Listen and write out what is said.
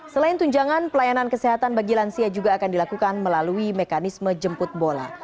selain tunjangan pelayanan kesehatan bagi lansia juga akan dilakukan melalui mekanisme jemput bola